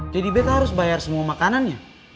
jadi beta harus bayar semua makanannya